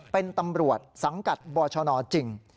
เป็นตำรวจสังกัดบชนจริง